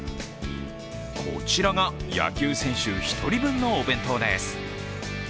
こちらが野球選手１人分のお弁当です。